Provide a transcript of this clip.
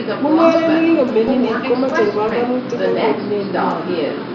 Mungaret netakomining' komache panganutik ak konunet nenyolu